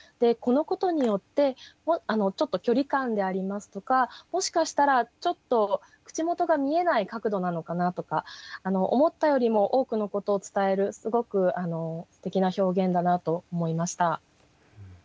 このことによってちょっと距離感でありますとかもしかしたらちょっと口元が見えない角度なのかなとか思ったよりも多くのことを伝えるすごくすてきな表現だなと思いました。